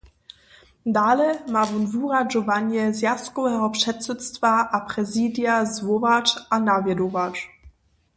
Dale ma wón wuradźowanja zwjazkoweho předsydstwa a prezidija zwołać a nawjedować.